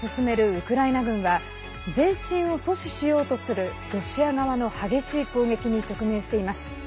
ウクライナ軍は前進を阻止しようとするロシア側の激しい攻撃に直面しています。